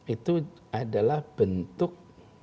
itu adalah bentuk